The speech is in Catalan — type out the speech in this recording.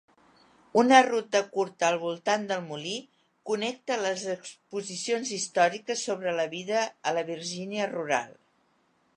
Una ruta curta al voltant del molí connecta les exposicions històriques sobre vida a la Virgínia rural.